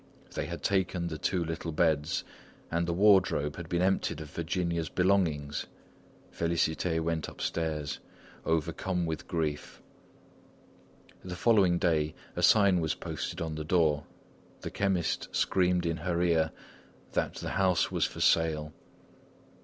They had taken the two little beds, and the wardrobe had been emptied of Virginia's belongings! Félicité went upstairs, overcome with grief. The following day a sign was posted on the door; the chemist screamed in her ear that the house was for sale.